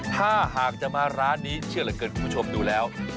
ถ้าหากจะมาร้านนี้เชื่อเหลือเกินคุณผู้ชมดูแล้ว